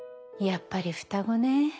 やっぱり双子ね。